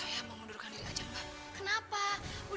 orang aku kan beli baju